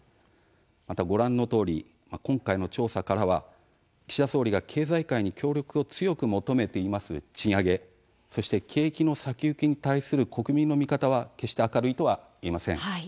また、ご覧のとおり今回の調査からは岸田総理が経済界に協力を強く求めています賃上げそして景気の先行きに対する国民の見方は決して明るいとは言えません。